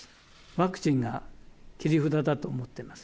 ワクチンが切り札だと思ってます。